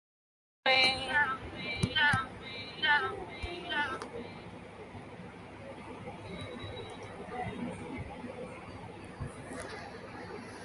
The intersection of the hole and cone form the cutting edge on the tool.